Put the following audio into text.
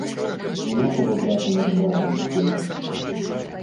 Няма чаго брату над братам здзекавацца.